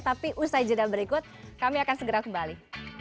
tapi usai jeda berikut kami akan segera kembali